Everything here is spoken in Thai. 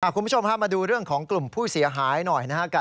คุณผู้ชมพามาดูเรื่องของกลุ่มผู้เสียหายหน่อยนะครับ